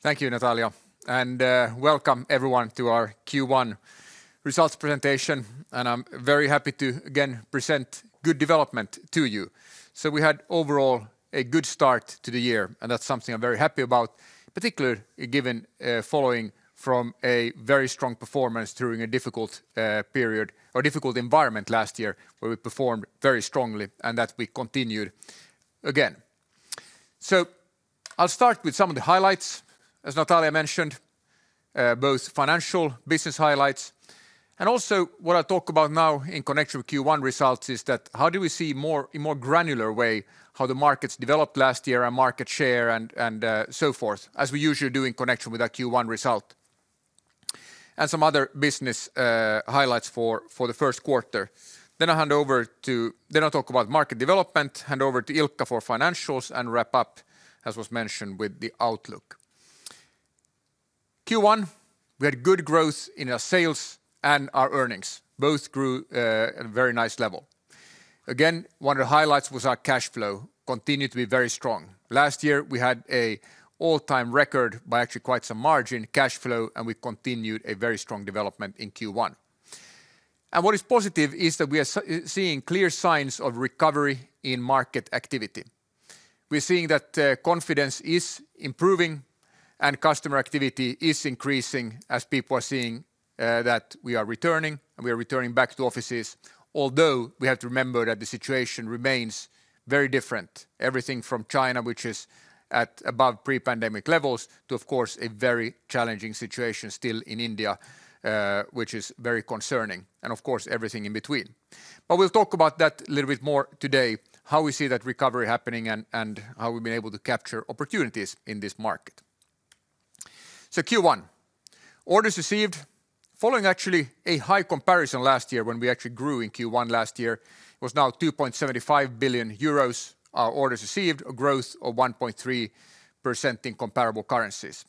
Thank you, Natalia. Welcome everyone to our Q1 results presentation. I'm very happy to, again, present good development to you. We had overall a good start to the year, that's something I'm very happy about, particularly given following from a very strong performance during a difficult period or difficult environment last year, where we performed very strongly, that we continued again. I'll start with some of the highlights, as Natalia mentioned, both financial business highlights. Also what I'll talk about now in connection with Q1 results is that how do we see in more granular way how the markets developed last year and market share and so forth, as we usually do in connection with our Q1 result. Some other business highlights for the first quarter. I talk about market development, hand over to Ilkka for financials, and wrap up, as was mentioned, with the outlook. Q1, we had good growth in our sales and our earnings. Both grew at a very nice level. Again, one of the highlights was our cash flow continued to be very strong. Last year we had an all-time record by actually quite some margin, cash flow, and we continued a very strong development in Q1. What is positive is that we are seeing clear signs of recovery in market activity. We're seeing that confidence is improving and customer activity is increasing as people are seeing that we are returning, and we are returning back to offices. Although we have to remember that the situation remains very different. Everything from China, which is at above pre-pandemic levels, to of course a very challenging situation still in India, which is very concerning, and of course everything in between. We'll talk about that a little bit more today, how we see that recovery happening and how we've been able to capture opportunities in this market. Q1. Orders received following actually a high comparison last year when we actually grew in Q1 last year, was now 2.75 billion euros, our orders received, a growth of 1.3% in comparable currencies.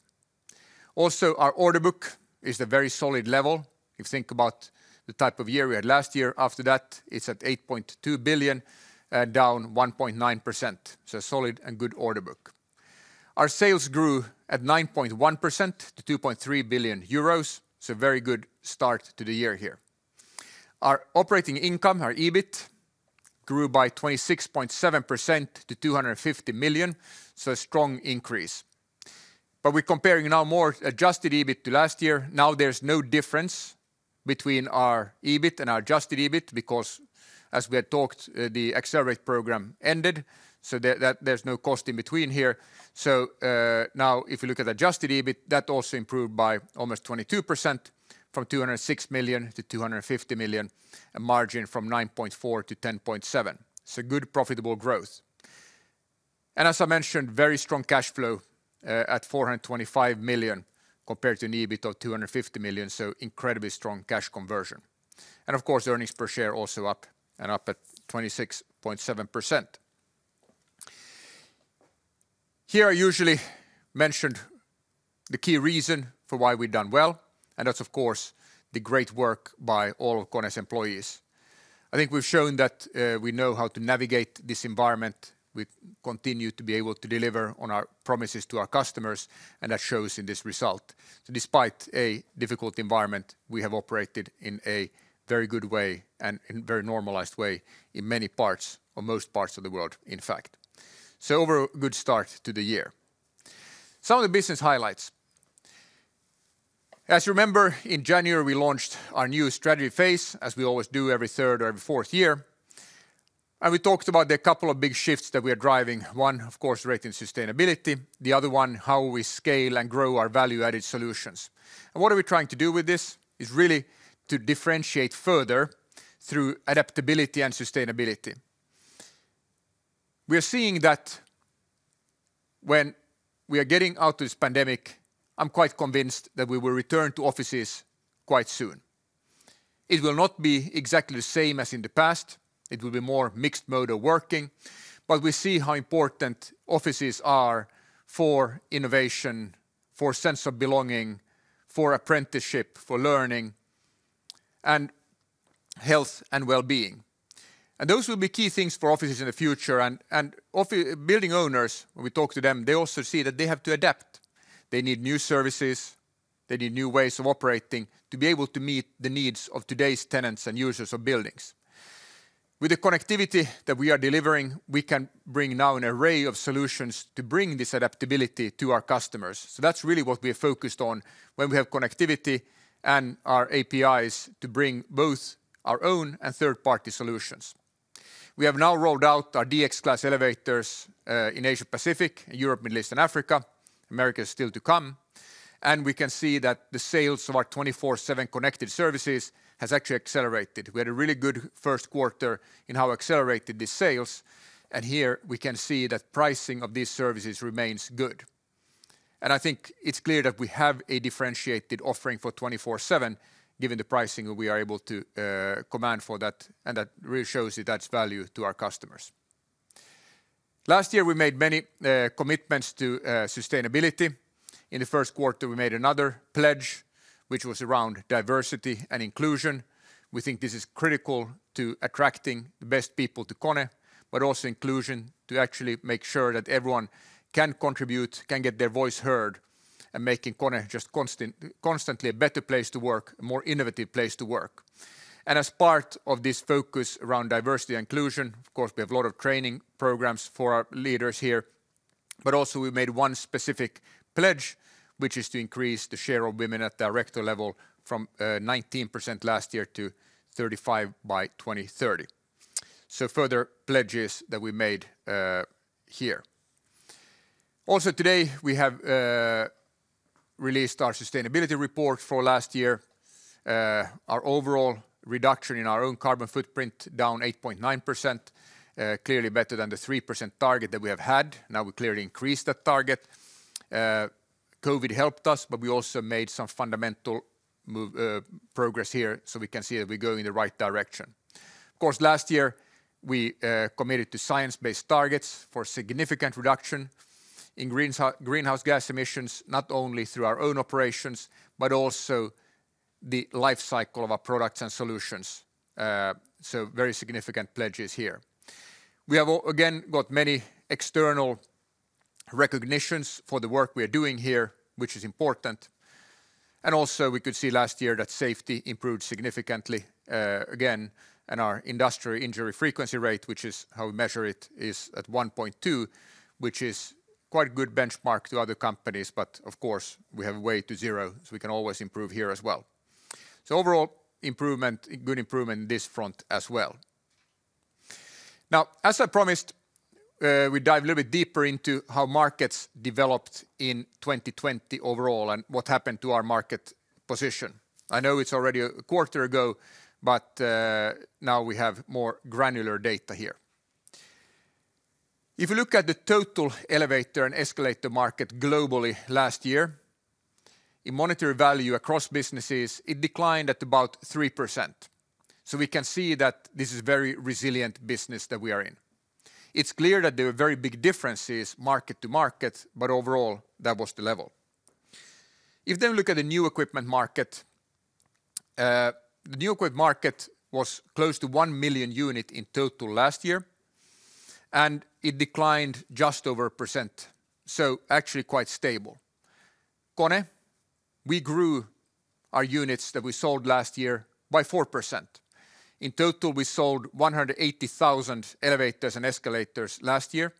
Also our order book is at a very solid level. If you think about the type of year we had last year, after that it's at 8.2 billion, down 1.9%. A solid and good order book. Our sales grew at 9.1% to 2.3 billion euros. A very good start to the year here. Our operating income, our EBIT, grew by 26.7% to 250 million. A strong increase. We're comparing now more adjusted EBIT to last year. There's no difference between our EBIT and our adjusted EBIT because, as we had talked, the Accelerate program ended. There's no cost in between here. If you look at adjusted EBIT, that also improved by almost 22%, from 206 million to 250 million. A margin from 9.4% to 10.7%. Good profitable growth. As I mentioned, very strong cash flow at 425 million compared to an EBIT of 250 million. Incredibly strong cash conversion. Of course earnings per share also up, and up at 26.7%. Here I usually mention the key reason for why we've done well. That's of course the great work by all of KONE's employees. I think we've shown that we know how to navigate this environment. We continue to be able to deliver on our promises to our customers, and that shows in this result. Despite a difficult environment, we have operated in a very good way and in very normalized way in many parts or most parts of the world, in fact. Overall, good start to the year. Some of the business highlights. As you remember, in January we launched our new strategy phase, as we always do every third or every fourth year. We talked about the couple of big shifts that we are driving. One, of course, the rate in sustainability. The other one, how we scale and grow our value-added solutions. What are we trying to do with this? Is really to differentiate further through adaptability and sustainability. We are seeing that when we are getting out of this pandemic, I'm quite convinced that we will return to offices quite soon. It will not be exactly the same as in the past. It will be more mixed mode of working. But we see how important offices are for innovation, for sense of belonging, for apprenticeship, for learning, and health and wellbeing. And those will be key things for offices in the future. And building owners, when we talk to them, they also see that they have to adapt. They need new services. They need new ways of operating to be able to meet the needs of today's tenants and users of buildings. With the connectivity that we are delivering, we can bring now an array of solutions to bring this adaptability to our customers. That's really what we are focused on, when we have connectivity and our APIs to bring both our own and third-party solutions. We have now rolled out our DX Class elevators, in Asia-Pacific, Europe, Middle East, and Africa. America is still to come. We can see that the sales of our 24/7 Connected Services has actually accelerated. We had a really good first quarter in how accelerated these sales, and here we can see that pricing of these services remains good. I think it's clear that we have a differentiated offering for 24/7 given the pricing we are able to command for that, and that really shows you that's value to our customers. Last year we made many commitments to sustainability. In the first quarter, we made another pledge which was around diversity and inclusion. We think this is critical to attracting the best people to KONE, but also inclusion to actually make sure that everyone can contribute, can get their voice heard, and making KONE just constantly a better place to work, a more innovative place to work. As part of this focus around diversity and inclusion, of course, we have a lot of training programs for our leaders here, but also we made one specific pledge, which is to increase the share of women at director level from 19% last year to 35% by 2030. Further pledges that we made here. Also today, we have released our sustainability report for last year. Our overall reduction in our own carbon footprint down 8.9%, clearly better than the 3% target that we have had. Now we clearly increased that target. COVID helped us. We also made some fundamental progress here. We can see that we're going in the right direction. Of course, last year we committed to Science-Based Targets for significant reduction in greenhouse gas emissions, not only through our own operations, but also the life cycle of our products and solutions. Very significant pledges here. We have, again, got many external recognitions for the work we are doing here, which is important. Also we could see last year that safety improved significantly, again, and our industry injury frequency rate, which is how we measure it, is at 1.2, which is quite a good benchmark to other companies. Of course, we have a way to zero. We can always improve here as well. Overall, good improvement in this front as well. Now, as I promised, we dive a little bit deeper into how markets developed in 2020 overall and what happened to our market position. I know it's already a quarter ago, now we have more granular data here. If you look at the total elevator and escalator market globally last year, in monetary value across businesses, it declined at about 3%. We can see that this is a very resilient business that we are in. It's clear that there were very big differences market to market, overall, that was the level. If we look at the new equip market, the new equip market was close to 1 million unit in total last year, it declined just over a percent. Actually quite stable. KONE, we grew our units that we sold last year by 4%. In total, we sold 180,000 elevators and escalators last year,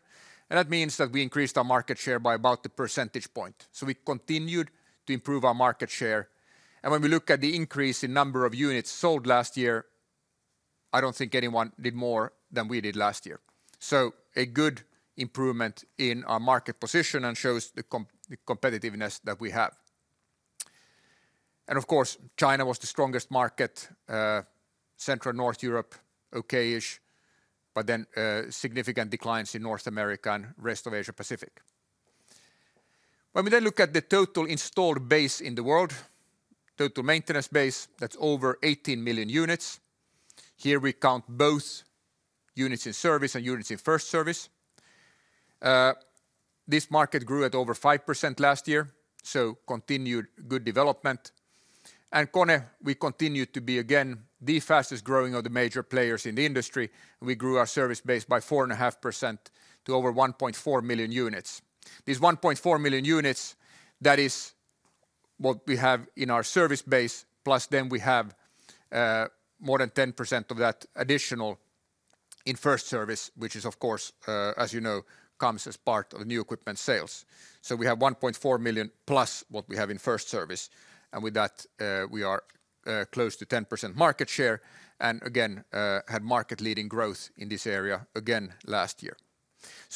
and that means that we increased our market share by about a percentage point. We continued to improve our market share. When we look at the increase in number of units sold last year, I don't think anyone did more than we did last year. A good improvement in our market position and shows the competitiveness that we have. Of course, China was the strongest market. Central and North Europe, okay-ish, but then significant declines in North America and rest of Asia-Pacific. When we then look at the total installed base in the world, total maintenance base, that's over 18 million units. Here we count both units in service and units in first service. This market grew at over 5% last year, so continued good development. KONE, we continued to be, again, the fastest growing of the major players in the industry. We grew our service base by 4.5% to over 1.4 million units. These 1.4 million units, that is what we have in our service base. Plus then we have more than 10% of that additional in first service, which is, of course, as you know, comes as part of new equipment sales. We have 1.4 million+ what we have in first service. And with that, we are close to 10% market share and, again, had market-leading growth in this area again last year.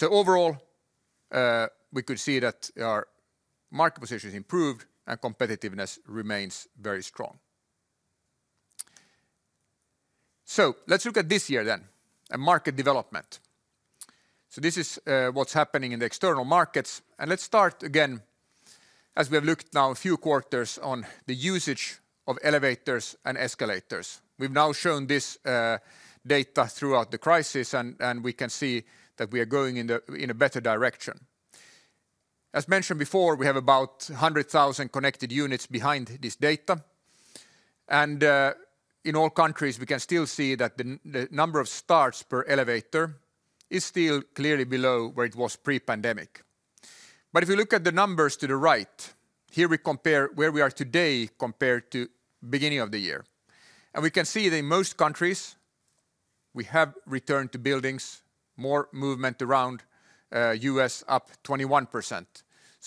Overall, we could see that our market position has improved and competitiveness remains very strong. Let's look at this year then, and market development. This is what's happening in the external markets. Let's start again, as we have looked now a few quarters on the usage of elevators and escalators. We've now shown this data throughout the crisis, and we can see that we are going in a better direction. As mentioned before, we have about 100,000 connected units behind this data. In all countries, we can still see that the number of starts per elevator is still clearly below where it was pre-pandemic. If you look at the numbers to the right, here we compare where we are today compared to beginning of the year. We can see that in most countries, we have returned to buildings, more movement around, U.S. up 21%.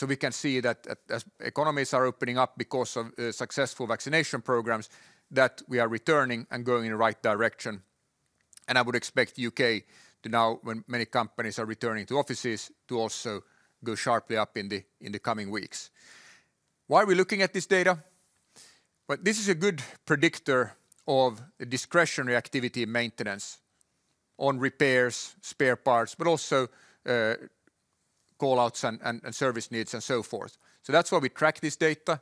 We can see that as economies are opening up because of successful vaccination programs, that we are returning and going in the right direction. I would expect U.K. to now, when many companies are returning to offices, to also go sharply up in the coming weeks. Why are we looking at this data? Well, this is a good predictor of discretionary activity and maintenance on repairs, spare parts, but also call-outs and service needs and so forth. That's why we track this data,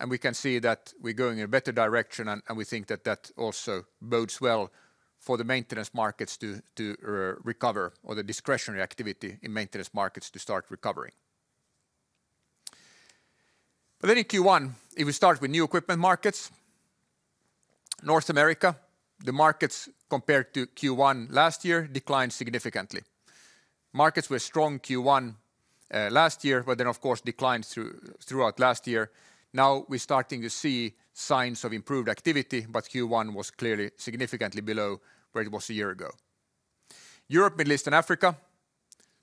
and we can see that we're going in a better direction, and we think that that also bodes well for the maintenance markets to recover, or the discretionary activity in maintenance markets to start recovering. In Q1, if we start with new equipment markets, North America, the markets compared to Q1 last year declined significantly. Markets were strong Q1 last year, but then of course declined throughout last year. We're starting to see signs of improved activity, but Q1 was clearly significantly below where it was a year ago. Europe, Middle East, and Africa,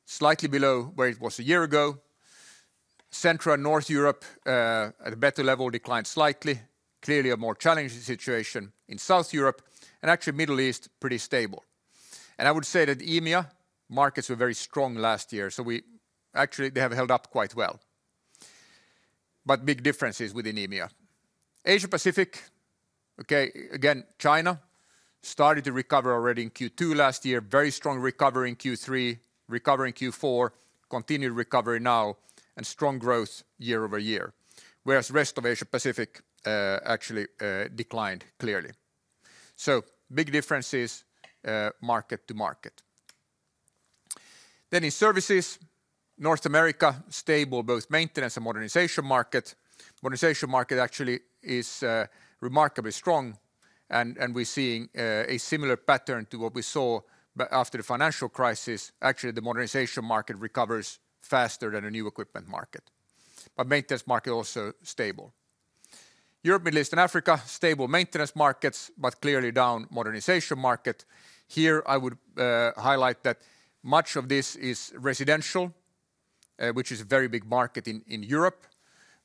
slightly below where it was a year ago. Central and North Europe, at a better level, declined slightly. Clearly a more challenging situation in South Europe, and actually Middle East, pretty stable. I would say that EMEA markets were very strong last year. Actually, they have held up quite well. Big differences within EMEA. Asia-Pacific, okay, again, China started to recover already in Q2 last year. Very strong recovery in Q3, recovery in Q4, continued recovery now, and strong growth year-over-year. Whereas the rest of Asia-Pacific actually declined clearly. Big differences market to market. In services, North America, stable, both maintenance and modernization market. Modernization market actually is remarkably strong and we're seeing a similar pattern to what we saw after the financial crisis. Actually, the modernization market recovers faster than a new equipment market. Maintenance market also stable. Europe, Middle East, and Africa, stable maintenance markets, but clearly down modernization market. Here I would highlight that much of this is residential, which is a very big market in Europe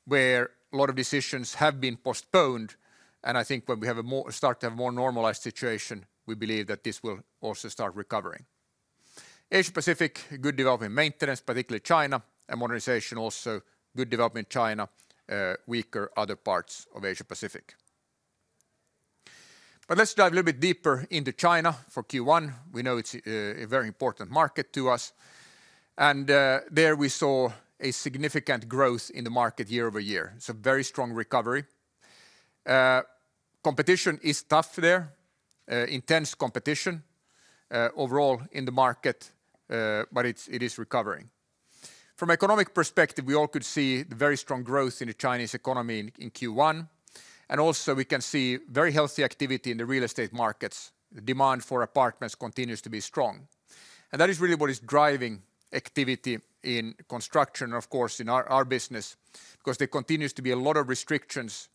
where a lot of decisions have been postponed. I think when we start to have a more normalized situation, we believe that this will also start recovering. Asia-Pacific, good development in maintenance, particularly China, and modernization also. Good development in China, weaker other parts of Asia-Pacific. Let's dive a little bit deeper into China for Q1. We know it's a very important market to us, and there we saw a significant growth in the market year-over-year. Very strong recovery. Competition is tough there, intense competition overall in the market, but it is recovering. From economic perspective, we all could see the very strong growth in the Chinese economy in Q1. We can see very healthy activity in the real estate markets. The demand for apartments continues to be strong. That is really what is driving activity in construction, of course, in our business because there continues to be a lot of restrictions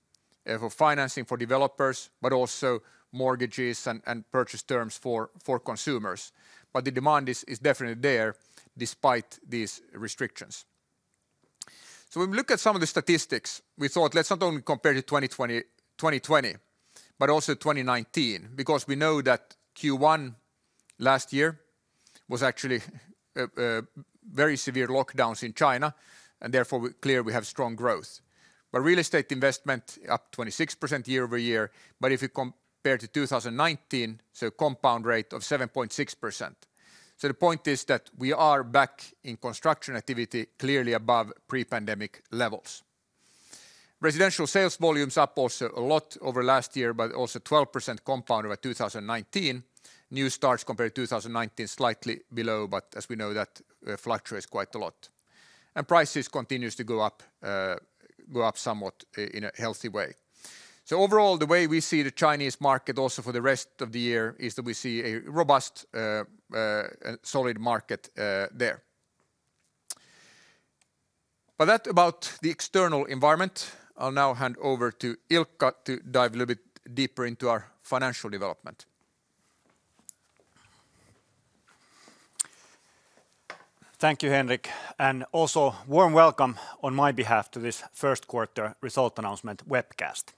for financing for developers, but also mortgages and purchase terms for consumers. The demand is definitely there despite these restrictions. When we look at some of the statistics, we thought let's not only compare to 2020, but also 2019 because we know that Q1 last year was actually very severe lockdowns in China and therefore clear we have strong growth. Real estate investment up 26% year-over-year. If you compare to 2019, compound rate of 7.6%. The point is that we are back in construction activity clearly above pre-pandemic levels. Residential sales volumes up also a lot over last year, but also 12% compound over 2019. New starts compared to 2019, slightly below, but as we know, that fluctuates quite a lot. Prices continues to go up somewhat in a healthy way. Overall, the way we see the Chinese market also for the rest of the year is that we see a robust solid market there. That about the external environment. I'll now hand over to Ilkka to dive a little bit deeper into our financial development. Thank you, Henrik, and also warm welcome on my behalf to this first quarter result announcement webcast.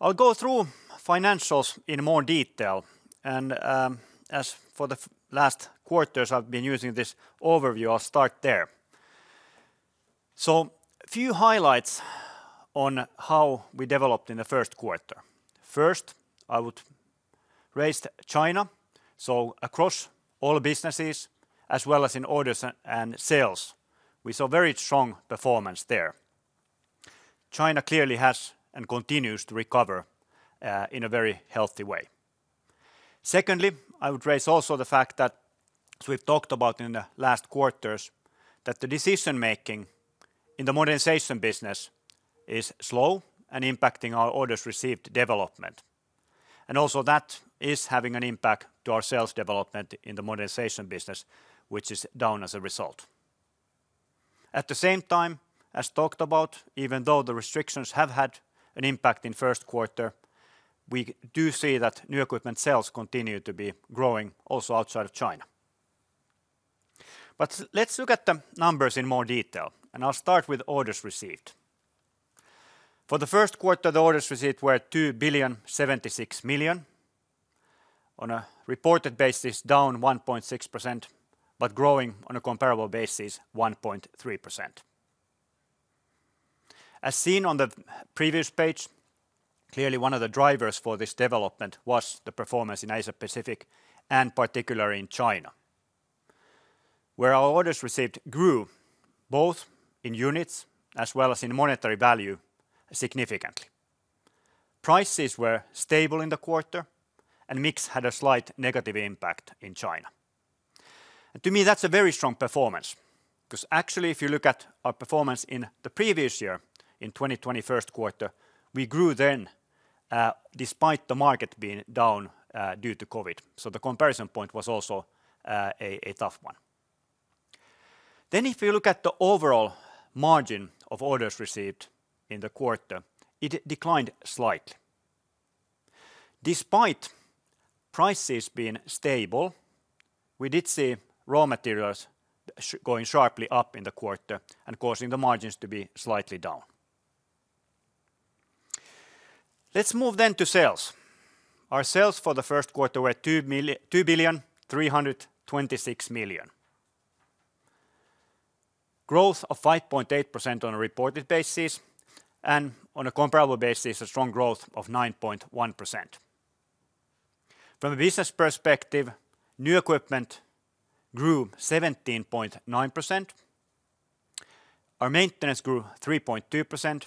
I'll go through financials in more detail and as for the last quarters I've been using this overview, I'll start there. A few highlights on how we developed in the first quarter. First, I would raise China, across all businesses as well as in orders and sales, we saw very strong performance there. China clearly has and continues to recover in a very healthy way. Secondly, I would raise also the fact that as we've talked about in the last quarters, that the decision-making in the modernization business is slow and impacting our orders received development. That is having an impact to our sales development in the modernization business, which is down as a result. At the same time, as talked about, even though the restrictions have had an impact in first quarter, we do see that new equipment sales continue to be growing also outside of China. Let's look at the numbers in more detail, and I'll start with orders received. For the first quarter, the orders received were 2.076 billion. On a reported basis, down 1.6%, but growing on a comparable basis 1.3%. As seen on the previous page, clearly one of the drivers for this development was the performance in Asia-Pacific and particular in China. Where our orders received grew both in units as well as in monetary value significantly. Prices were stable in the quarter, and mix had a slight negative impact in China. To me, that's a very strong performance because actually if you look at our performance in the previous year, in 2020 first quarter, we grew then despite the market being down due to COVID. The comparison point was also a tough one. If you look at the overall margin of orders received in the quarter, it declined slightly. Despite prices being stable, we did see raw materials going sharply up in the quarter and causing the margins to be slightly down. Let's move to sales. Our sales for the first quarter were 2,326,000,000. Growth of 5.8% on a reported basis, and on a comparable basis, a strong growth of 9.1%. From a business perspective, new equipment grew 17.9%. Our maintenance grew 3.2%,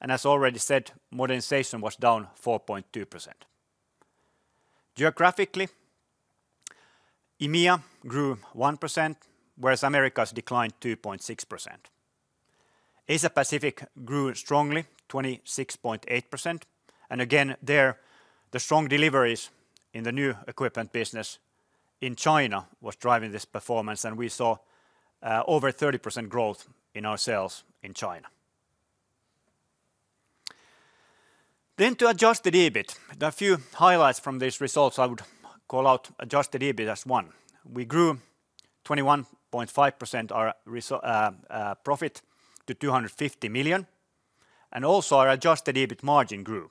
and as already said, modernization was down 4.2%. Geographically, EMEA grew 1%, whereas Americas declined 2.6%. Asia Pacific grew strongly, 26.8%. Again there the strong deliveries in the new equipment business in China was driving this performance. We saw over 30% growth in our sales in China. To adjusted EBIT. There are a few highlights from these results I would call out adjusted EBIT as one. We grew 21.5% our profit to 250 million. Also our adjusted EBIT margin grew,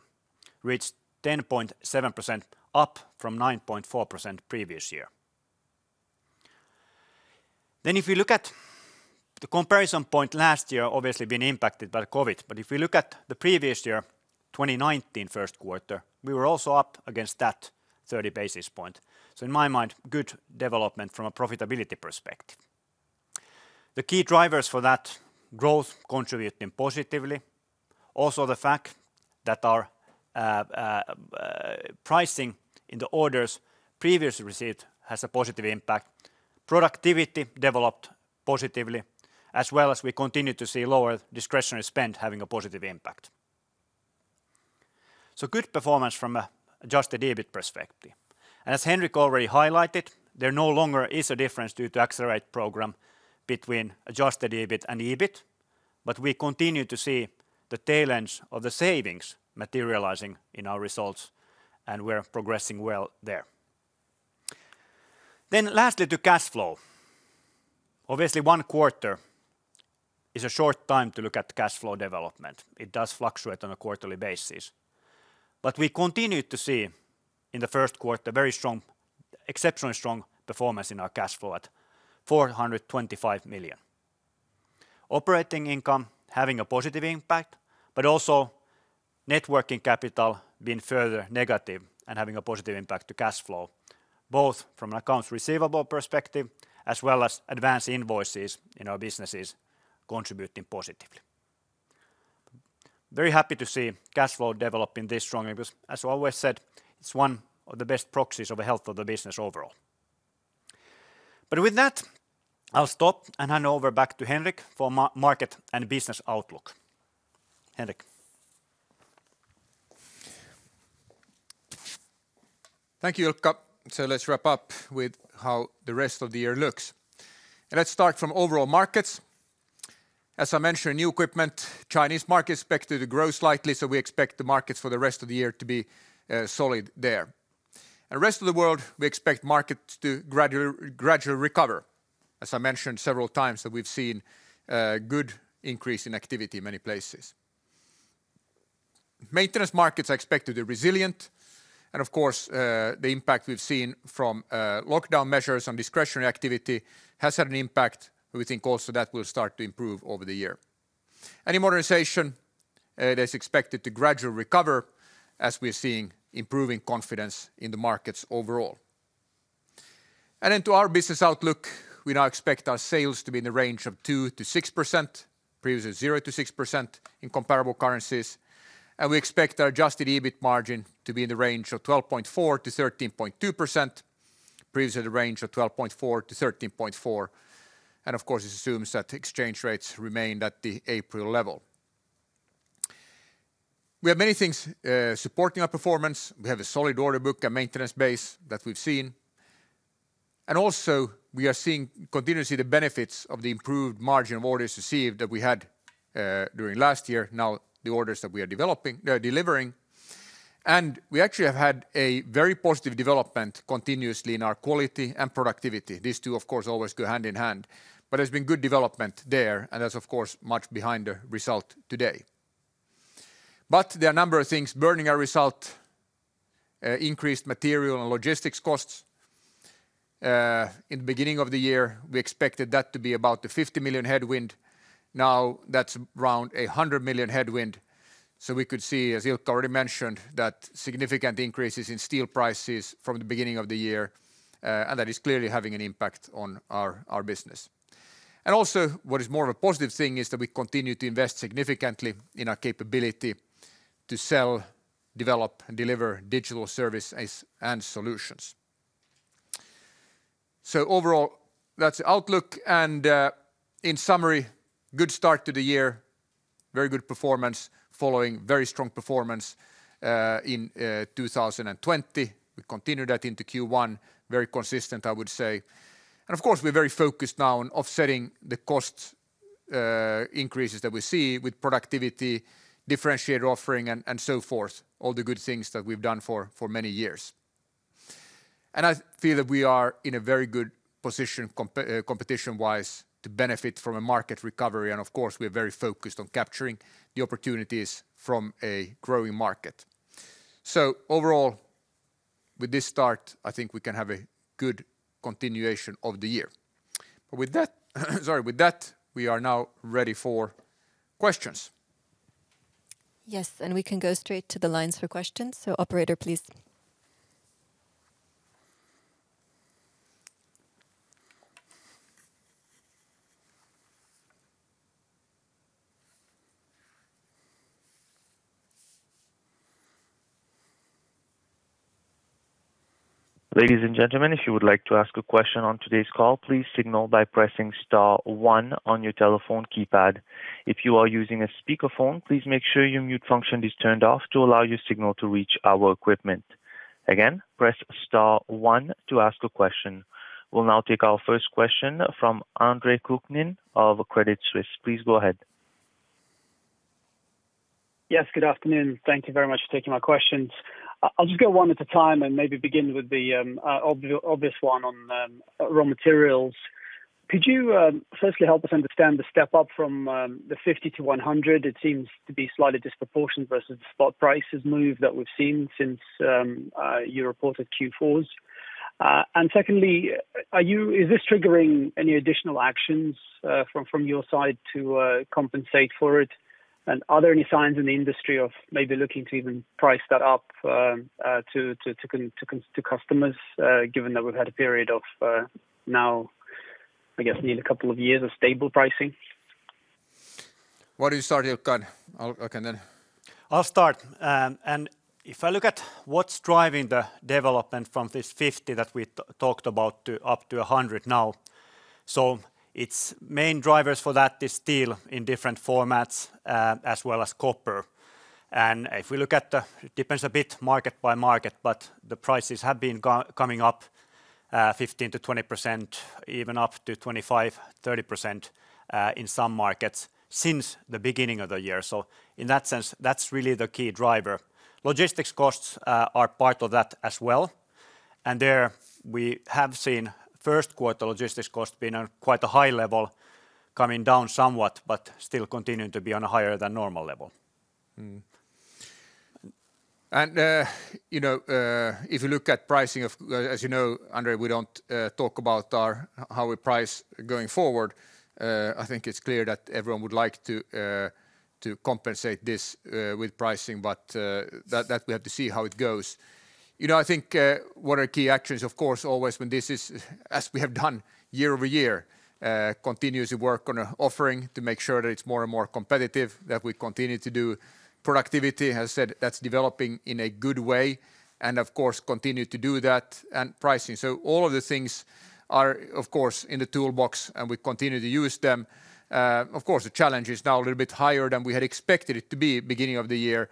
reached 10.7% up from 9.4% previous year. If you look at the comparison point last year, obviously been impacted by COVID. If you look at the previous year, 2019 first quarter, we were also up against that 30 basis points. In my mind, good development from a profitability perspective. The key drivers for that growth contributing positively. Also, the fact that our pricing in the orders previously received has a positive impact. Productivity developed positively, as well as we continue to see lower discretionary spend having a positive impact. Good performance from a adjusted EBIT perspective. As Henrik already highlighted, there no longer is a difference due to Accelerate program between adjusted EBIT and EBIT, but we continue to see the tail end of the savings materializing in our results, and we're progressing well there. Lastly, to cash flow. Obviously, one quarter is a short time to look at cash flow development. It does fluctuate on a quarterly basis. We continue to see in the first quarter very strong, exceptionally strong performance in our cash flow at 425 million. Operating income having a positive impact, but also net working capital being further negative and having a positive impact to cash flow, both from an accounts receivable perspective as well as advance invoices in our businesses contributing positively. Very happy to see cash flow developing this strongly because as always said, it's one of the best proxies of the health of the business overall. With that, I'll stop and hand over back to Henrik for market and business outlook. Henrik. Thank you, Ilkka. Let's wrap up with how the rest of the year looks. Let's start from overall markets. As I mentioned, new equipment, Chinese markets expected to grow slightly. We expect the markets for the rest of the year to be solid there. Rest of the world, we expect markets to gradually recover. As I mentioned several times that we've seen a good increase in activity in many places. Maintenance markets are expected to be resilient. Of course, the impact we've seen from lockdown measures on discretionary activity has had an impact. We think also that will start to improve over the year. In modernization, it is expected to gradually recover as we're seeing improving confidence in the markets overall. To our business outlook, we now expect our sales to be in the range of 2%-6%, previously 0%-6% in comparable currencies. We expect our adjusted EBIT margin to be in the range of 12.4%-13.2%, previously the range of 12.4%-13.4%. Of course, this assumes that exchange rates remained at the April level. We have many things supporting our performance. We have a solid order book, a maintenance base that we've seen. Also we are continuing to see the benefits of the improved margin of orders received that we had during last year, now the orders that we are delivering. We actually have had a very positive development continuously in our quality and productivity. These two, of course, always go hand in hand. There's been good development there, and that's of course much behind the result today. There are a number of things burdening our result. Increased material and logistics costs. In the beginning of the year, we expected that to be about the 50 million headwind. Now that's around 100 million headwind. We could see, as Ilkka already mentioned, that significant increases in steel prices from the beginning of the year, and that is clearly having an impact on our business. Also what is more of a positive thing is that we continue to invest significantly in our capability to sell, develop, and deliver digital services and solutions. Overall, that's the outlook, and in summary, good start to the year. Very good performance following very strong performance in 2020. We continued that into Q1, very consistent, I would say. Of course, we're very focused now on offsetting the cost increases that we see with productivity, differentiated offering, and so forth. All the good things that we've done for many years. I feel that we are in a very good position competition-wise to benefit from a market recovery. Of course, we're very focused on capturing the opportunities from a growing market. Overall, with this start, I think we can have a good continuation of the year. With that we are now ready for questions. Yes, we can go straight to the lines for questions. Operator, please. We'll now take our first question from Andre Kukhnin of Credit Suisse. Please go ahead. Yes, good afternoon. Thank you very much for taking my questions. I'll just go one at a time and maybe begin with the obvious one on raw materials. Could you firstly help us understand the step up from the 50 to 100? It seems to be slightly disproportionate versus the spot prices move that we've seen since you reported Q4s. Secondly, is this triggering any additional actions from your side to compensate for it? Are there any signs in the industry of maybe looking to even price that up to customers, given that we've had a period of now, I guess, nearly a couple of years of stable pricing? Why don't you start, Ikka? I can then I'll start. If I look at what's driving the development from this 50 that we talked about up to 100 now. Its main drivers for that is steel in different formats as well as copper. If we look at the, it depends a bit market by market, but the prices have been coming up 15%-20%, even up to 25%-30% in some markets since the beginning of the year. In that sense, that's really the key driver. Logistics costs are part of that as well. There we have seen first quarter logistics costs being on quite a high level, coming down somewhat, but still continuing to be on a higher than normal level. If you look at pricing, as you know, Andre, we don't talk about how we price going forward. I think it's clear that everyone would like to compensate this with pricing. That we have to see how it goes. I think one of the key actions, of course, always when this is, as we have done year-over-year, continuously work on an offering to make sure that it's more and more competitive, that we continue to do productivity. As I said, that's developing in a good way, and of course, continue to do that and pricing. All of the things are, of course, in the toolbox, and we continue to use them. Of course, the challenge is now a little bit higher than we had expected it to be beginning of the year.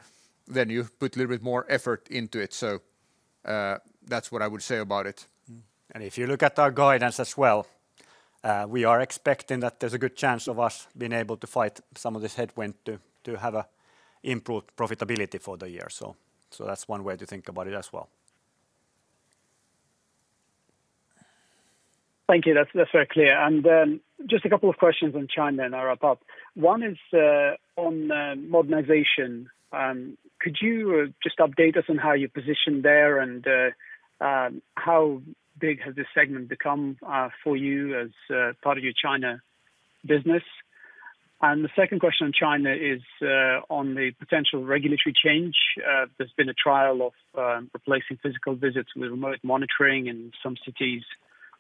You put a little bit more effort into it. That's what I would say about it. If you look at our guidance as well, we are expecting that there's a good chance of us being able to fight some of this headwind to have improved profitability for the year. That's one way to think about it as well. Thank you. That's very clear. Just a couple of questions on China and I'll wrap up. One is on modernization. Could you just update us on how you're positioned there and how big has this segment become for you as part of your China business? The second question on China is on the potential regulatory change. There's been a trial of replacing physical visits with remote monitoring in some cities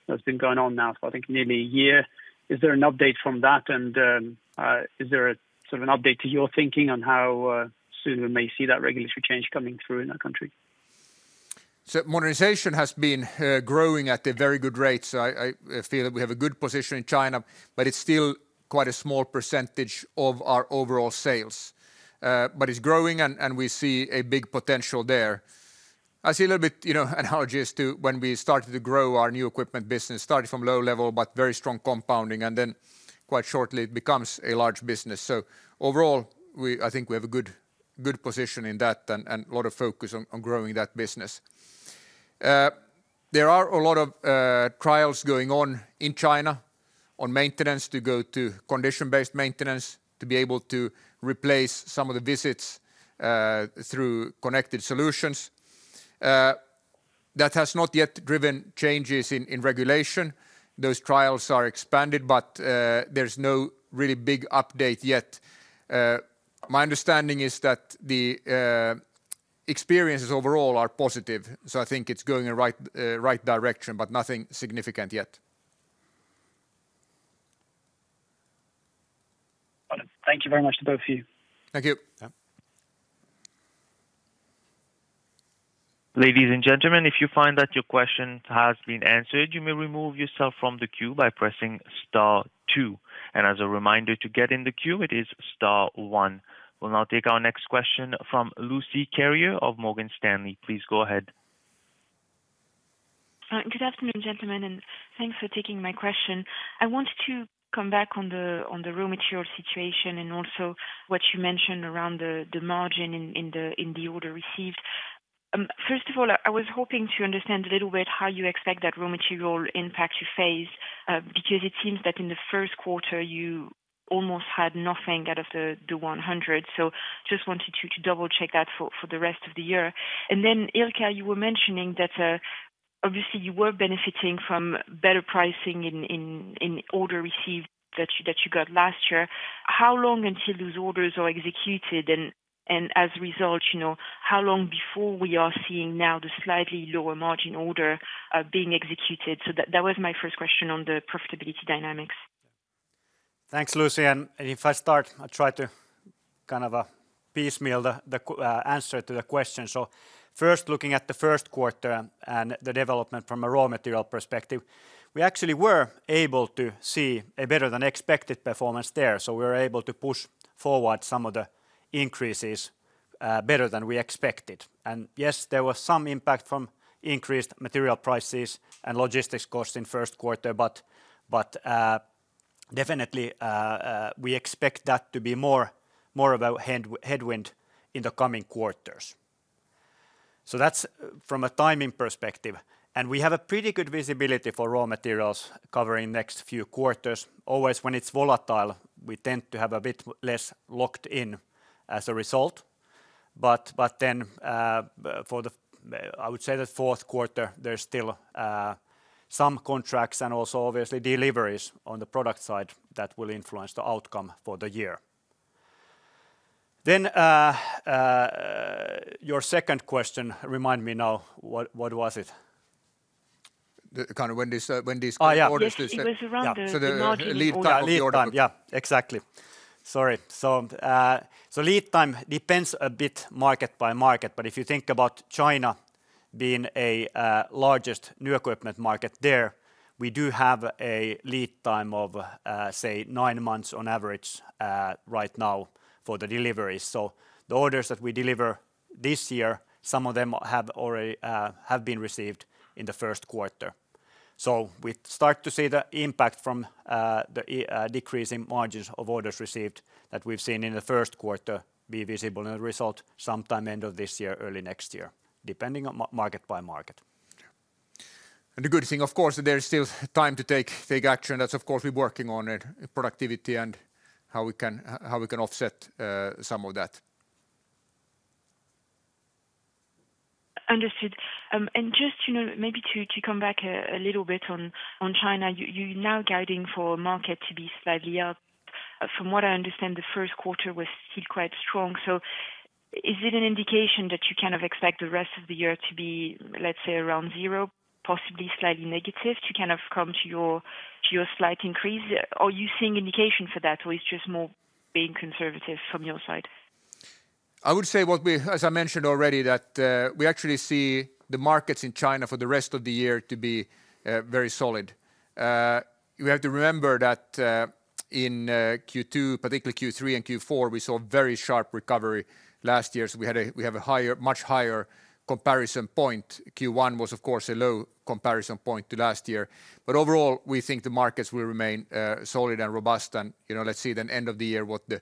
that's been going on now for, I think, nearly a year. Is there an update from that? Is there an update to your thinking on how soon we may see that regulatory change coming through in that country? Modernization has been growing at a very good rate. I feel that we have a good position in China, but it's still quite a small percentage of our overall sales. It's growing, and we see a big potential there. I see a little bit analogous to when we started to grow our new equipment business. Started from low level, but very strong compounding, and then quite shortly it becomes a large business. Overall, I think we have a good position in that and a lot of focus on growing that business. There are a lot of trials going on in China on maintenance to go to condition-based maintenance to be able to replace some of the visits through connected solutions. That has not yet driven changes in regulation. Those trials are expanded but there's no really big update yet. My understanding is that the experiences overall are positive, so I think it's going in right direction, but nothing significant yet. Wonderful. Thank you very much to both of you. Thank you. Yeah. Ladies and gentlemen, if you find that your question has been answered, you may remove yourself from the queue by pressing star two. As a reminder, to get in the queue, it is star one. We'll now take our next question from Lucie Carrier of Morgan Stanley. Please go ahead. Good afternoon, gentlemen, and thanks for taking my question. I wanted to come back on the raw material situation and also what you mentioned around the margin in the order received. I was hoping to understand a little bit how you expect that raw material impact you face, because it seems that in Q1 you almost had nothing out of the 100. Just wanted you to double-check that for the rest of the year. Ilkka, you were mentioning that obviously you were benefiting from better pricing in order received that you got last year. How long until those orders are executed and, as a result, how long before we are seeing now the slightly lower margin order being executed? That was my first question on the profitability dynamics. Thanks, Lucie. If I start, I'll try to piecemeal the answer to the question. First, looking at the first quarter and the development from a raw material perspective, we actually were able to see a better than expected performance there. We were able to push forward some of the increases better than we expected. Yes, there was some impact from increased material prices and logistics costs in first quarter, but definitely we expect that to be more of a headwind in the coming quarters. That's from a timing perspective. We have a pretty good visibility for raw materials covering next few quarters. Always when it's volatile, we tend to have a bit less locked in as a result. I would say the fourth quarter, there is still some contracts and also obviously deliveries on the product side that will influence the outcome for the year. Your second question, remind me now, what was it? Kind of when these orders. It was around the margin. So the lead time- Lead time, yeah. Exactly. Sorry. Lead time depends a bit market by market, but if you think about China being a largest new equipment market there, we do have a lead time of, say, nine months on average right now for the deliveries. The orders that we deliver this year, some of them have been received in the first quarter. We start to see the impact from the decrease in margins of orders received that we've seen in the first quarter be visible in the result sometime end of this year, early next year, depending on market by market. Yeah. The good thing, of course, there is still time to take action. That's of course we're working on productivity and how we can offset some of that. Understood. Just maybe to come back a little bit on China, you're now guiding for market to be slightly up. From what I understand, the first quarter was still quite strong. Is it an indication that you kind of expect the rest of the year to be, let's say, around zero, possibly slightly negative to kind of come to your slight increase? Are you seeing indication for that, or it's just more being conservative from your side? I would say, as I mentioned already, that we actually see the markets in China for the rest of the year to be very solid. We have to remember that in Q2, particularly Q3 and Q4, we saw very sharp recovery last year. We have a much higher comparison point. Q1 was of course a low comparison point to last year. Overall, we think the markets will remain solid and robust and let's see at the end of the year what the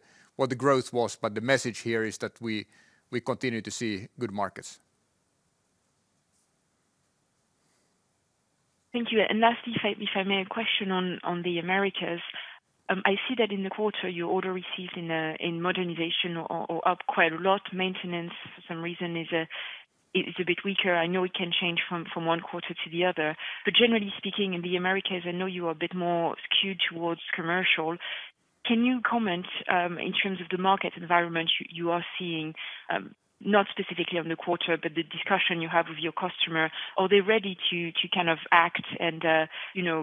growth was. The message here is that we continue to see good markets. Thank you. Lastly, if I may, a question on the Americas. I see that in the quarter, your order receipts in modernization are up quite a lot. Maintenance, for some reason, is a bit weaker. I know it can change from one quarter to the other. Generally speaking, in the Americas, I know you are a bit more skewed towards commercial. Can you comment in terms of the market environment you are seeing, not specifically on the quarter, but the discussion you have with your customer, are they ready to kind of act and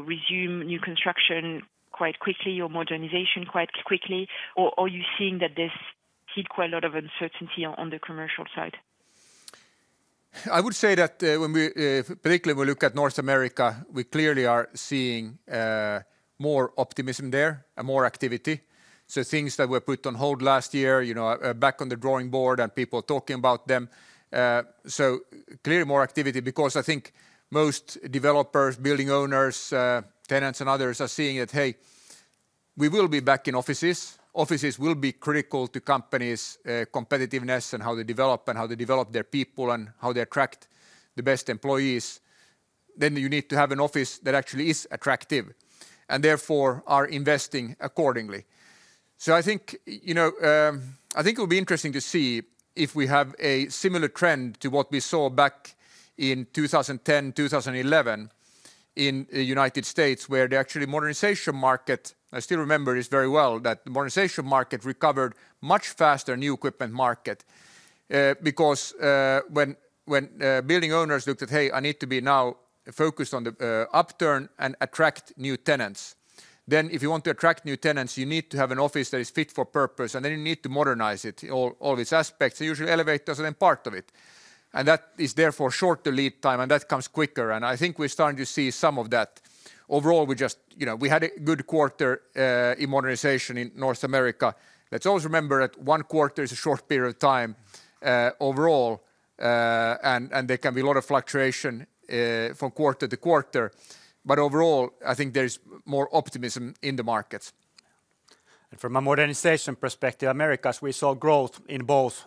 resume new construction quite quickly or modernization quite quickly, or are you seeing that there's still quite a lot of uncertainty on the commercial side? I would say that when particularly we look at North America, we clearly are seeing more optimism there and more activity. Things that were put on hold last year, back on the drawing board and people talking about them. Clearly more activity because I think most developers, building owners, tenants, and others are seeing that, hey, we will be back in offices. Offices will be critical to companies' competitiveness and how they develop and how they develop their people and how they attract the best employees. You need to have an office that actually is attractive, and therefore, are investing accordingly. I think it'll be interesting to see if we have a similar trend to what we saw back in 2010, 2011 in the U.S., where actually modernization market, I still remember this very well, that the modernization market recovered much faster new equipment market. When building owners looked at, "Hey, I need to be now focused on the upturn and attract new tenants." If you want to attract new tenants, you need to have an office that is fit for purpose, and then you need to modernize it, all these aspects. Usually elevators are then part of it. That is therefore short the lead time, and that comes quicker. I think we're starting to see some of that. Overall, we had a good quarter in modernization in North America. Let's always remember that one quarter is a short period of time overall, and there can be a lot of fluctuation from quarter to quarter. Overall, I think there is more optimism in the market. From a modernization perspective, Americas, we saw growth in both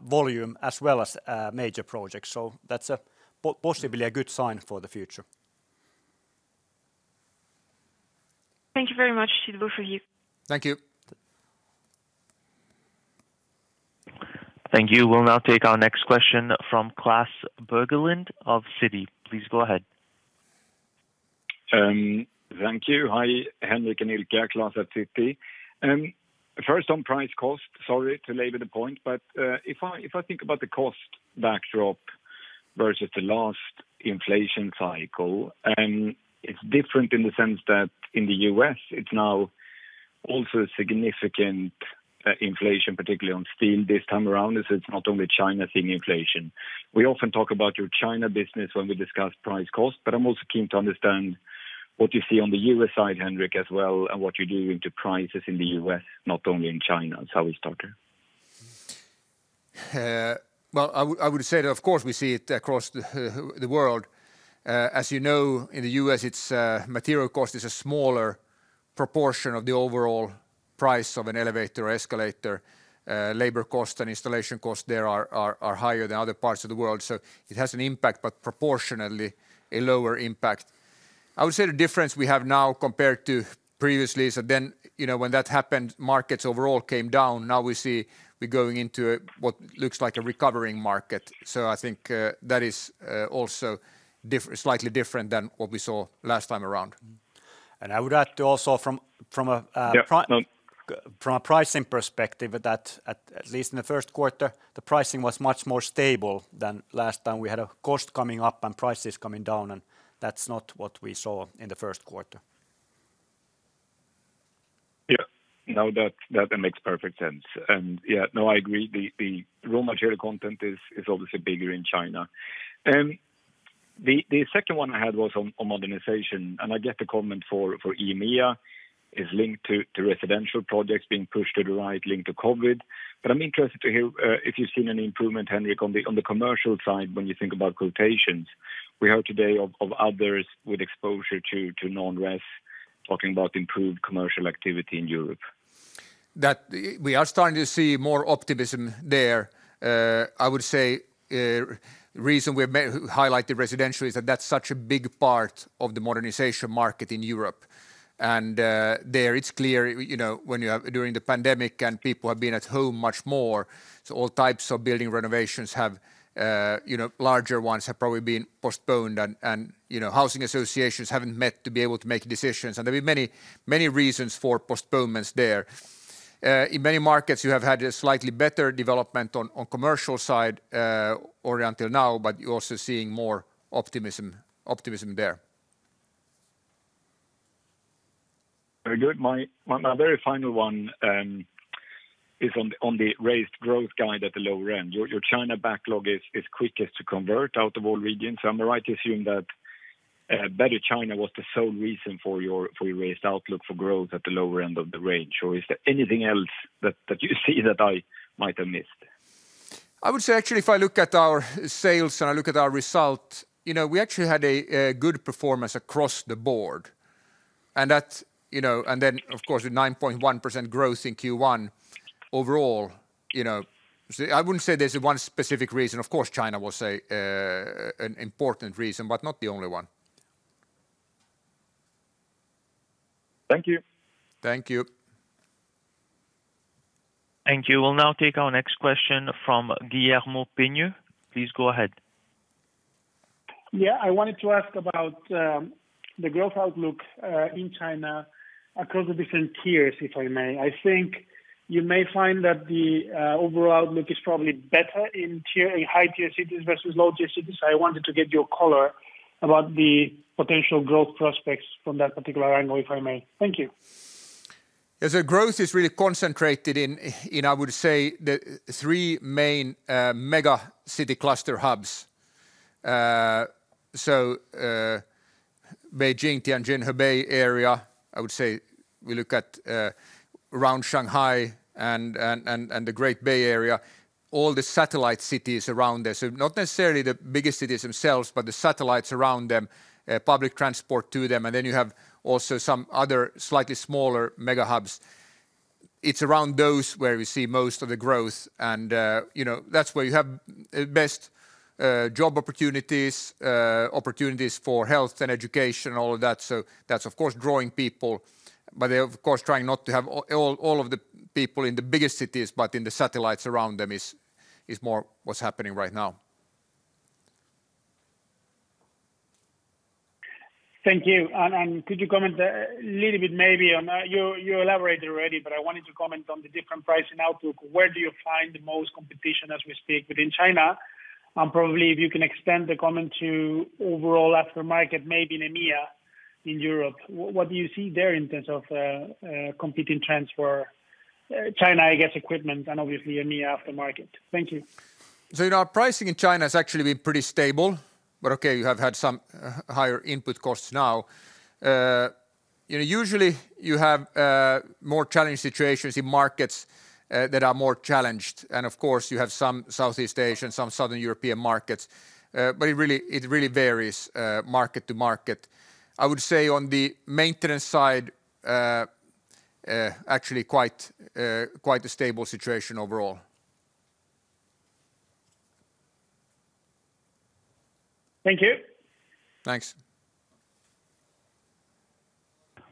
volume as well as major projects. That's possibly a good sign for the future. Thank you very much. It's good for you. Thank you. Thank you. We'll now take our next question from Klas Bergelind of Citi. Please go ahead. Thank you. Hi, Henrik and Ilkka. Klas at Citi. If I think about the cost backdrop versus the last inflation cycle, it's different in the sense that in the U.S. it's now also a significant inflation, particularly on steel this time around, as it's not only China seeing inflation. I'm also keen to understand what you see on the U.S. side, Henrik, as well, and what you're doing to prices in the U.S., not only in China. I will start here. I would say that of course we see it across the world. As you know, in the U.S. material cost is a smaller proportion of the overall price of an elevator or escalator. Labor cost and installation cost there are higher than other parts of the world. It has an impact, but proportionately a lower impact. I would say the difference we have now compared to previously is that then, when that happened, markets overall came down. Now we see we're going into what looks like a recovering market. I think that is also slightly different than what we saw last time around. I would add too also. Yeah, no. From a pricing perspective that at least in the First Quarter, the pricing was much more stable than last time we had a cost coming up and prices coming down, and that's not what we saw in the First Quarter. Yeah. No, that makes perfect sense. Yeah, no, I agree. The raw material content is obviously bigger in China. The second one I had was on modernization, and I get the comment for EMEA is linked to residential projects being pushed to the right link to COVID. I'm interested to hear if you've seen any improvement, Henrik, on the commercial side when you think about quotations. We heard today of others with exposure to non-res talking about improved commercial activity in Europe. We are starting to see more optimism there. I would say reason we highlighted residential is that's such a big part of the modernization market in Europe, and there it's clear, during the pandemic and people have been at home much more, so all types of building renovations have, larger ones have probably been postponed and housing associations haven't met to be able to make decisions, and there'll be many reasons for postponements there. In many markets you have had a slightly better development on commercial side or until now, but you're also seeing more optimism there. Very good. My very final one is on the raised growth guide at the lower end. Your China backlog is quickest to convert out of all regions. Am I right to assume that better China was the sole reason for your raised outlook for growth at the lower end of the range? Is there anything else that you see that I might have missed? I would say actually if I look at our sales and I look at our result, we actually had a good performance across the board. Of course a 9.1% growth in Q1 overall. I wouldn't say there's one specific reason. Of course, China was an important reason, but not the only one. Thank you. Thank you. Thank you. We'll now take our next question from Guillermo Pena. Please go ahead. I wanted to ask about the growth outlook in China across the different tiers, if I may. I think you may find that the overall outlook is probably better in high-tier cities versus low-tier cities. I wanted to get your color about the potential growth prospects from that particular angle, if I may. Thank you. Growth is really concentrated in, I would say, the three main mega city cluster hubs. Beijing-Tianjin-Hebei area, I would say we look at around Shanghai and the Great Bay Area, all the satellite cities around there. Not necessarily the biggest cities themselves, but the satellites around them, public transport to them, you have also some other slightly smaller mega hubs. It's around those where we see most of the growth, that's where you have best job opportunities for health and education, all of that's of course drawing people. They of course trying not to have all of the people in the biggest cities, but in the satellites around them is more what's happening right now. Thank you. Could you comment a little bit maybe on, you elaborated already, but I want you to comment on the different pricing outlook. Where do you find the most competition as we speak within China? Probably if you can extend the comment to overall aftermarket, maybe in EMEA, in Europe. What do you see there in terms of competing trends for China, I guess equipment and obviously EMEA aftermarket? Thank you. Our pricing in China has actually been pretty stable. You have had some higher input costs now. Usually you have more challenging situations in markets that are more challenged. Of course, you have some Southeast Asian, some Southern European markets. It really varies market to market. I would say on the maintenance side, actually quite a stable situation overall. Thank you. Thanks.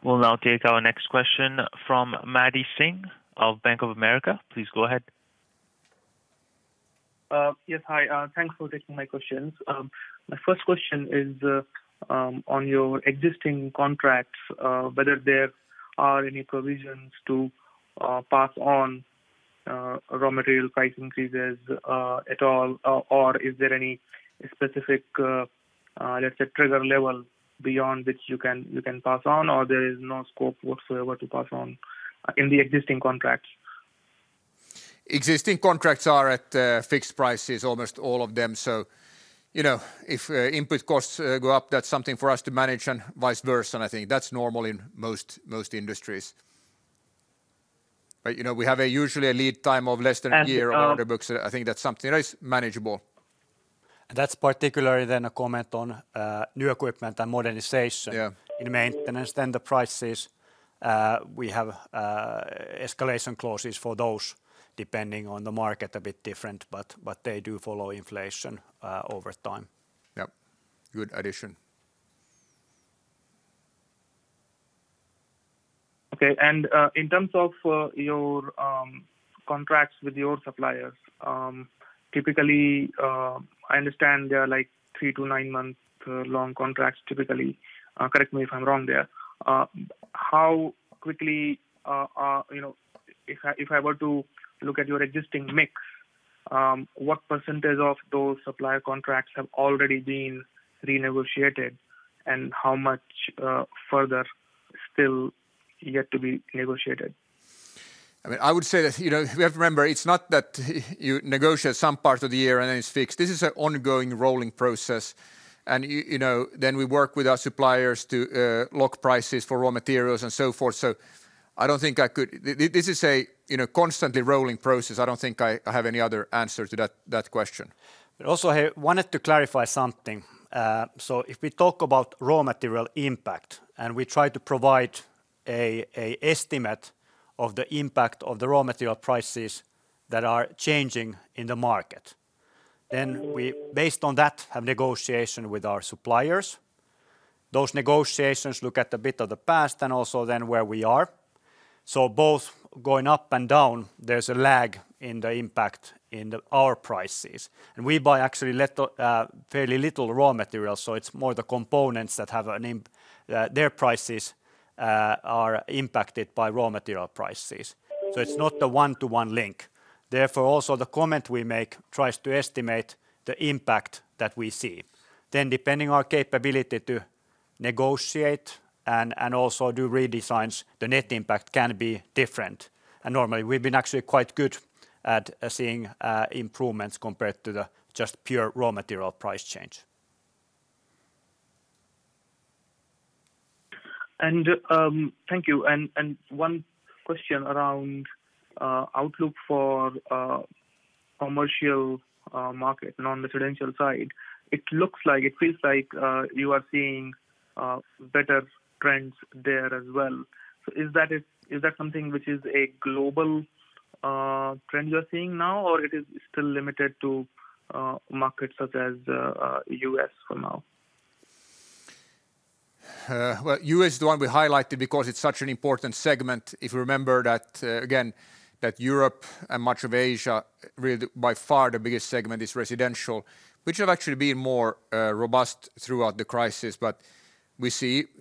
We'll now take our next question from Maddy Singh of Bank of America. Please go ahead. Yes. Hi, thanks for taking my questions. My first question is on your existing contracts, whether there are any provisions to pass on raw material price increases at all or is there any specific, let's say, trigger level beyond which you can pass on or there is no scope whatsoever to pass on in the existing contracts? Existing contracts are at fixed prices, almost all of them. If input costs go up, that's something for us to manage and vice versa. I think that's normal in most industries. We have usually a lead time of less than a year. And- on order books. I think that's something that is manageable. That's particularly then a comment on new equipment and modernization. Yeah in maintenance. The prices, we have escalation clauses for those depending on the market a bit different, but they do follow inflation over time. Yep. Good addition. Okay. In terms of your contracts with your suppliers, typically I understand they are three to nine-month long contracts typically. Correct me if I'm wrong there. How quickly, if I were to look at your existing mix, what percentage of those supplier contracts have already been renegotiated, and how much further still yet to be negotiated? I would say that we have to remember, it's not that you negotiate some part of the year and then it's fixed. This is an ongoing rolling process. Then we work with our suppliers to lock prices for raw materials and so forth. This is a constantly rolling process. I don't think I have any other answer to that question. I wanted to clarify something. If we talk about raw material impact, and we try to provide an estimate of the impact of the raw material prices that are changing in the market, then we, based on that, have negotiation with our suppliers. Those negotiations look at a bit of the past and also then where we are. Both going up and down, there's a lag in the impact in our prices. We buy actually fairly little raw materials, so it's more the components that their prices are impacted by raw material prices. It's not a one-to-one link. Therefore, also the comment we make tries to estimate the impact that we see. Depending on our capability to negotiate and also do redesigns, the net impact can be different. Normally, we've been actually quite good at seeing improvements compared to the just pure raw material price change. Thank you. One question around outlook for commercial market and on the residential side. It feels like you are seeing better trends there as well. Is that something which is a global trend you're seeing now, or it is still limited to markets such as U.S. for now? Well, U.S. is the one we highlighted because it's such an important segment. If you remember that, again, that Europe and much of Asia, really by far the biggest segment is residential, which have actually been more robust throughout the crisis. We see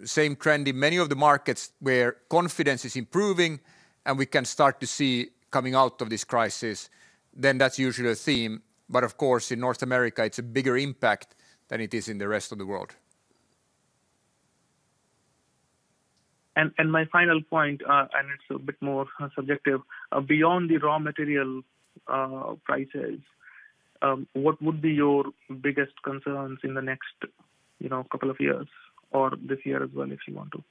same trend in many of the markets where confidence is improving, and we can start to see coming out of this crisis, then that's usually a theme. Of course, in North America, it's a bigger impact than it is in the rest of the world. My final point, and it's a bit more subjective. Beyond the raw material prices, what would be your biggest concerns in the next couple of years or this year as well, if you want to?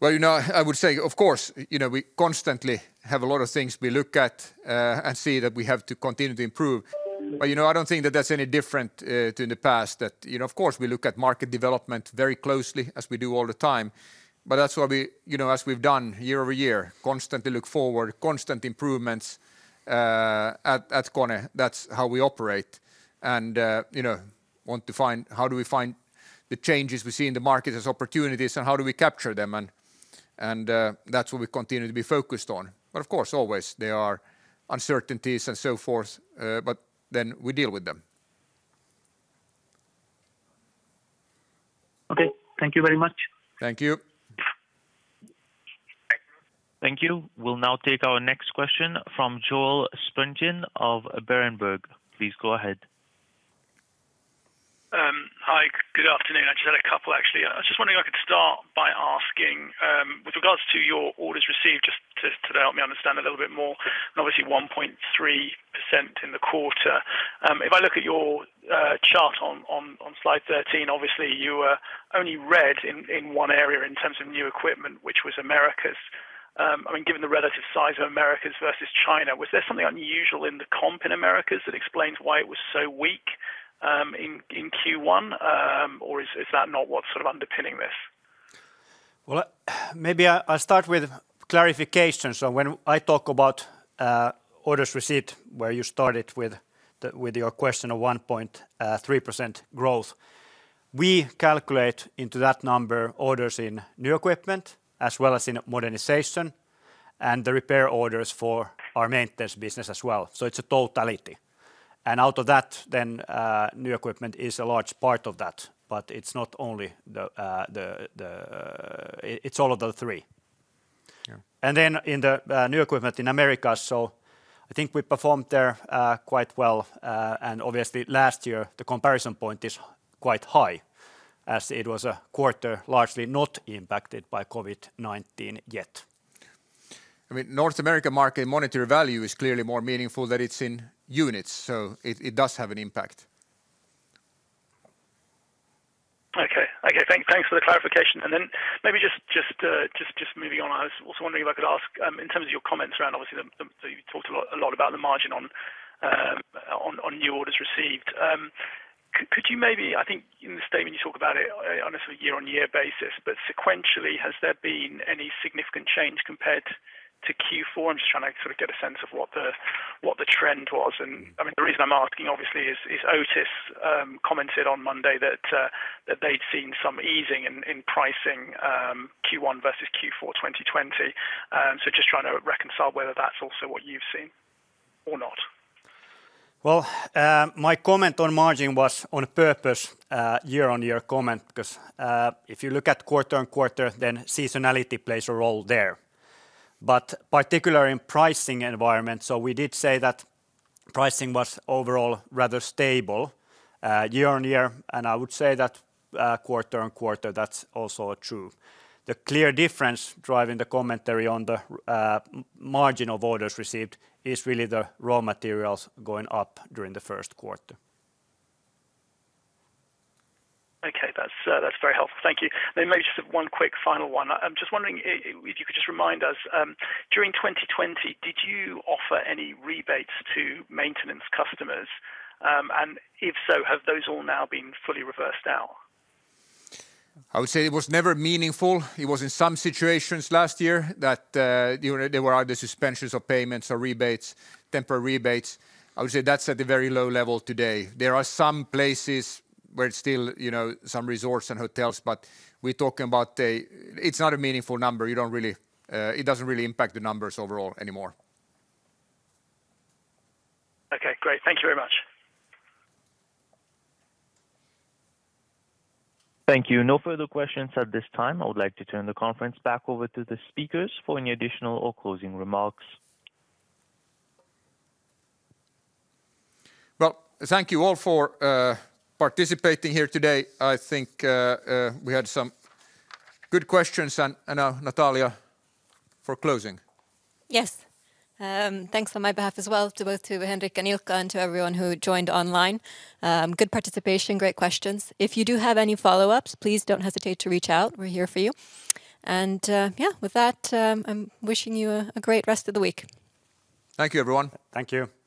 Well, I would say, of course, we constantly have a lot of things we look at and see that we have to continue to improve. I don't think that that's any different to the past. Of course, we look at market development very closely as we do all the time. That's why as we've done year over year, constantly look forward, constant improvements at KONE. That's how we operate. Want to find how do we find the changes we see in the market as opportunities, and how do we capture them and that's what we continue to be focused on. Of course, always there are uncertainties and so forth, but then we deal with them. Okay. Thank you very much. Thank you. Thank you. We'll now take our next question from Joel Spungin of Berenberg. Please go ahead. Hi, good afternoon. I just had a couple, actually. I was just wondering, I could start by asking, with regards to your orders received, just to help me understand a little bit more, and obviously 1.3% in the quarter. If I look at your chart on slide 13, obviously you were only red in one area in terms of new equipment, which was Americas. Given the relative size of Americas versus China, was there something unusual in the comp in Americas that explains why it was so weak in Q1, or is that not what's sort of underpinning this? Well, maybe I'll start with clarification. When I talk about orders received, where you started with your question of 1.3% growth, we calculate into that number orders in new equipment as well as in modernization and the repair orders for our maintenance business as well. It's a totality. Out of that, new equipment is a large part of that, but it's all of the three. Yeah. Then in the new equipment in Americas, I think we performed there quite well. Obviously last year the comparison point is quite high as it was a quarter largely not impacted by COVID-19 yet. North America market monetary value is clearly more meaningful than it's in units, so it does have an impact. Okay. Thank for the clarification. Then maybe just moving on. I was also wondering if I could ask, in terms of your comments around, obviously, you talked a lot about the margin on new orders received. I think in the statement you talk about it on a sort of year-on-year basis, but sequentially, has there been any significant change compared to Q4? I'm just trying to sort of get a sense of what the trend was. The reason I'm asking, obviously, is Otis commented on Monday that they'd seen some easing in pricing Q1 versus Q4 2020. Just trying to reconcile whether that's also what you've seen or not. My comment on margin was on purpose year-on-year comment because if you look at quarter-on-quarter, seasonality plays a role there. Particularly in pricing environment, we did say that pricing was overall rather stable year-on-year, I would say that quarter-on-quarter, that's also true. The clear difference driving the commentary on the margin of orders received is really the raw materials going up during the first quarter. Okay. That's very helpful. Thank you. Maybe just one quick final one. I'm just wondering if you could just remind us, during 2020, did you offer any rebates to maintenance customers? If so, have those all now been fully reversed out? I would say it was never meaningful. It was in some situations last year that there were either suspensions of payments or temporary rebates. I would say that is at a very low level today. There are some places where it is still some resorts and hotels, but it is not a meaningful number. It does not really impact the numbers overall anymore. Okay, great. Thank you very much. Thank you. No further questions at this time. I would like to turn the conference back over to the speakers for any additional or closing remarks. Well, thank you all for participating here today. I think we had some good questions. Now, Natalia, for closing. Yes. Thanks on my behalf as well to both Henrik and Ilkka, to everyone who joined online. Good participation, great questions. If you do have any follow-ups, please don't hesitate to reach out. We're here for you. Yeah, with that, I'm wishing you a great rest of the week. Thank you, everyone. Thank you.